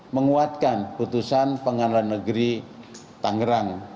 menguatkan putusan pengadilan negeri tangerang